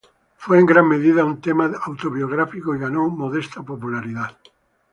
Fue en gran medida un tema autobiográfico y ganó modesta popularidad.